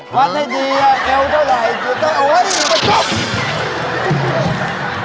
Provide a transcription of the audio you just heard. วัดให้ดีเอาเอวเท่าไรก็ต้องเอาไว้หยุดไปจบ